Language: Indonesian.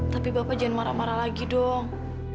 tapi bapak jangan marah marah lagi dong